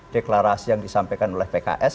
deklarasi yang disampaikan oleh pks